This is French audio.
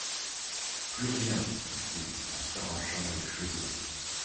Plus rien ! dit-il en s'arrachant les cheveux.